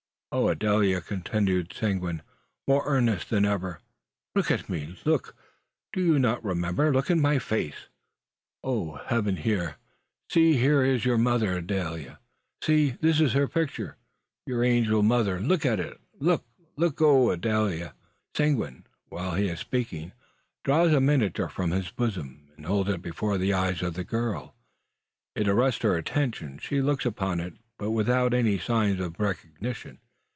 "Oh, Adele!" continues Seguin, more earnest than ever, "look at me! look! Do you not remember? Look in my face! Oh, Heaven! Here, see! Here is your mother, Adele! See! this is her picture: your angel mother. Look at it! Look, oh, Adele!" Seguin, while he is speaking, draws a miniature from his bosom, and holds it before the eyes of the girl. It arrests her attention. She looks upon it, but without any signs of recognition.